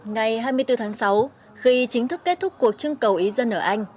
ngày hai mươi bốn tháng sáu khi chính thức kết thúc cuộc trưng cầu ý dân ở anh